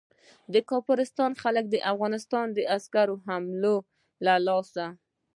د کافرستان خلک د افغانستان د عسکرو حملو له لاسه.